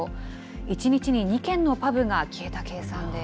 １日に２軒のパブが消えた計算です。